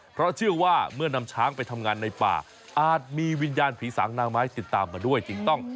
เพราะเชื่อว่าเมื่อนำช้างไปทำงานในป่าอาจมีวิญญาณผีสางนางไม้ติดตามมาด้วยจึงต้อง